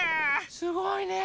すごいねえ。